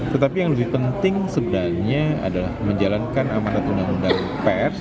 tetapi yang lebih penting sebenarnya adalah menjalankan amanat undang undang pers